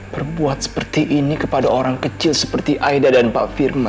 berbuat seperti ini kepada orang kecil seperti aida dan pak firman